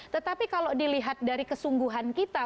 tetapi kalau dilihat dari kesungguhan kita